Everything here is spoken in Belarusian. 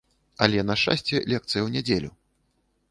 Але на шчасце лекцыя ў нядзелю!